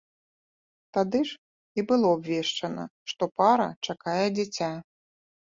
Тады ж і было абвешчана, што пара чакае дзіця.